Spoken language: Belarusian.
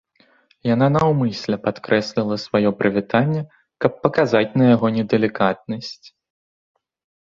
Яна наўмысля падкрэсліла сваё прывітанне, каб паказаць на яго недалікатнасць.